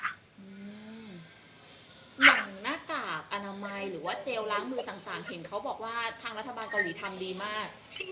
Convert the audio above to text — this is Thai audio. หลังหน้ากากอนามัยหรือว่าเจลล้างมือต่างเห็นเขาบอกว่าทางรัฐบาลเกาหลีทำดีมาก